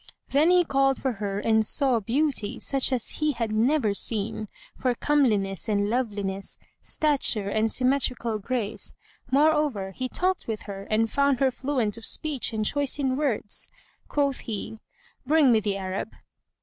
Then he called for her and saw beauty such as he had never seen, for comeliness and loveliness, stature and symmetrical grace; moreover, he talked with her and found her fluent of speech and choice in words. Quoth he, "Bring me the Arab."